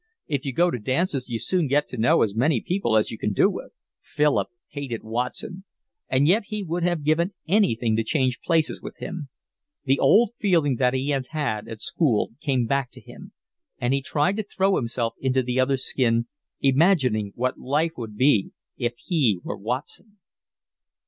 If you go to dances you soon get to know as many people as you can do with." Philip hated Watson, and yet he would have given anything to change places with him. The old feeling that he had had at school came back to him, and he tried to throw himself into the other's skin, imagining what life would be if he were Watson.